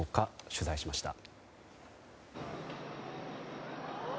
取材しました。